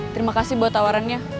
terima kasih buat tawarannya